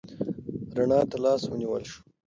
رڼا ته لاس ونیول شو.